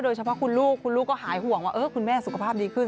โดยเฉพาะคุณลูกคุณลูกก็หายห่วงว่าคุณแม่สุขภาพดีขึ้น